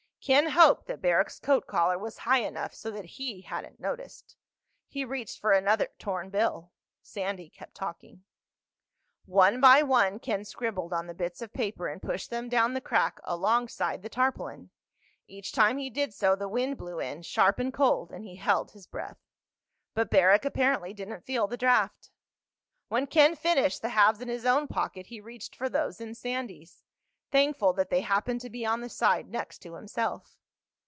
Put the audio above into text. Ken hoped that Barrack's coat collar was high enough so that he hadn't noticed. He reached for another torn bill. Sandy kept talking. One by one Ken scribbled on the bits of paper and pushed them down the crack alongside the tarpaulin. Each time he did so the wind blew in, sharp and cold, and he held his breath. But Barrack apparently didn't feel the draught. When Ken finished the halves in his own pocket he reached for those in Sandy's, thankful that they happened to be on the side next to himself.